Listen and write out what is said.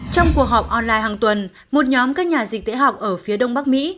trong cuộc họp online hàng tuần một nhóm các nhà dịch tễ học ở phía đông bắc mỹ